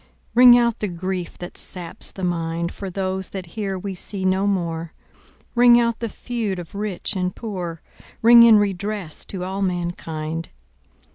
Ring out the grief that saps the mind, For those that here we see no more, Ring out the feud of rich and poor, Ring in redress to all mankind.